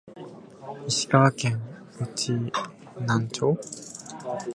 石川県内灘町